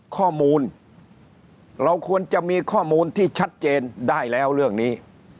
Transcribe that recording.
ข้อมูลเราควรจะมีข้อมูลที่ชัดเจนได้แล้วเรื่องนี้